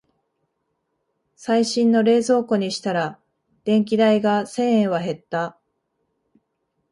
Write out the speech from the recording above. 最新の冷蔵庫にしたら電気代が千円は減った